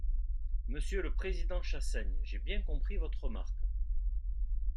Monsieur le président Chassaigne, j’ai bien compris votre remarque.